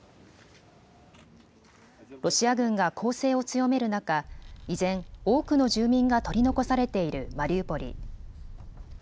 ロシア軍が攻勢を強める中、依然、多くの住民が取り残されているマリウポリ。